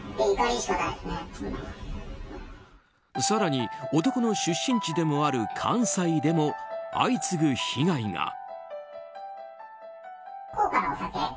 更に、男の出身地でもある関西でも相次ぐ被害が。